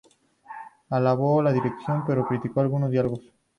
Alabó la dirección, pero criticó algunos diálogos.